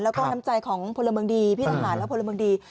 แล้วก็น้ำใจของพลเมืองดีพี่ทหารและพลเมืองดี